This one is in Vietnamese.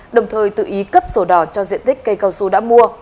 đồng thời tự ý cấp sổ đỏ cho diện tích cây cao su đã mua